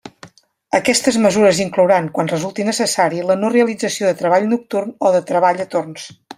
Aquestes mesures inclouran, quan resulti necessari, la no realització de treball nocturn o de treball a torns.